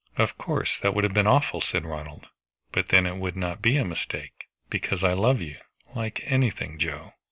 "Of course that would have been awful," said Ronald. "But then it would not be a mistake, because I love you like anything, Joe!"